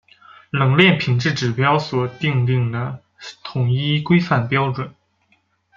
冷链品质指标所订定的统一规范准则。